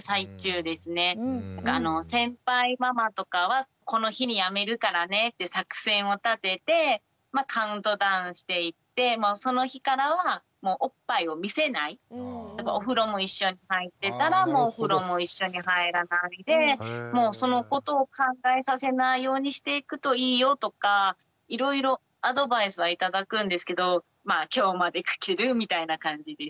先輩ママとかはこの日にやめるからねって作戦を立ててカウントダウンしていってその日からはおっぱいを見せないお風呂も一緒に入ってたらもうお風呂も一緒に入らないでもうそのことを考えさせないようにしていくといいよとかいろいろアドバイスは頂くんですけど今日まできてるみたいな感じです。